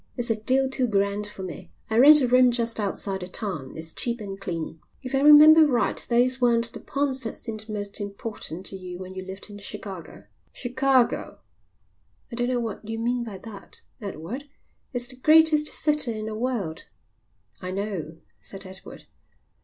"It's a deal too grand for me. I rent a room just outside the town. It's cheap and clean." "If I remember right those weren't the points that seemed most important to you when you lived in Chicago." "Chicago!" "I don't know what you mean by that, Edward. It's the greatest city in the world." "I know," said Edward.